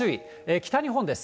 北日本です。